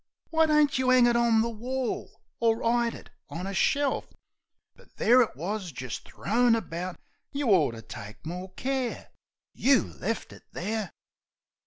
Why don't you 'ang it on the wall, or 'ide it on a shelf? But there it wus, jist thrown about. You ort to take more care ! You left it there!